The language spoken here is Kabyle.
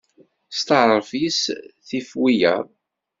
Steɛṛef yes-s tif wiyaḍ.